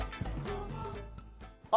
あ！